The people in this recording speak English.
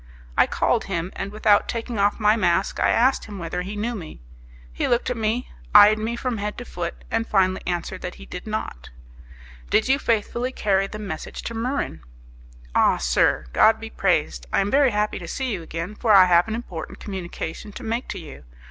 I called him, and without taking off my mask I asked him whether he knew me. He looked at me, eyed me from head to foot, and finally answered that he did not. "Did you faithfully carry the message to Muran?" "Ah, sir! God be praised! I am very happy to see you again, for I have an important communication to make to you.